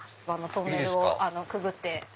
トンネルをくぐって。